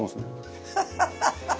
ハハハハ！